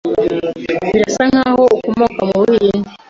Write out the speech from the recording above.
Birasa nkaho ukomoka mu Buhinde.